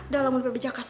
dalam nilai bijakasa